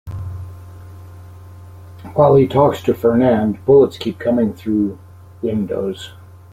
While he talks to Fernand, bullets keep coming through windows.